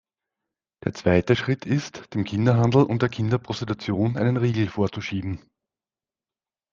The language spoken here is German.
Der zweite Schritt ist, dem Kinderhandel und der Kinderprostitution einen Riegel vorzuschieben.